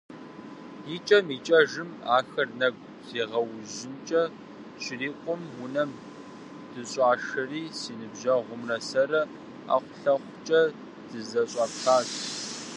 ИкӀэм-икӀэжым, ахэр нэгу зегъэужьынкӀэ щрикъум, унэм дыщӀашэри, си ныбжьэгъумрэ сэрэ ӀэхъулъэхъукӀэ дызэщӀапхащ.